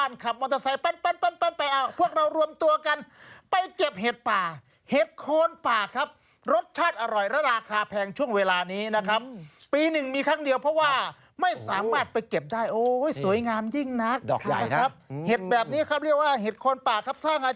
นี่แหละครับชาวบ้านขับมอเตอร์ไซส์ปั้น